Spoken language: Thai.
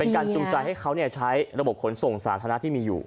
จูงใจให้เขาใช้ระบบขนส่งสาธารณะที่มีอยู่